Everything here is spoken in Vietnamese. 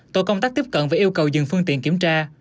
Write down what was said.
tổ công tác tiếp cận và yêu cầu dừng phương tiện kiểm tra